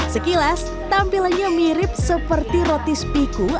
sekilas tampilannya mirip seperti roti speeku